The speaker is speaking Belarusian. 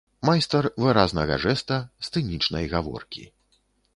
Майстар выразнага жэста, сцэнічнай гаворкі.